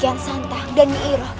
tuhan yang terbaik